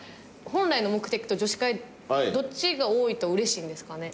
本来の目的と女子会どっちが多いと嬉しいんですかね？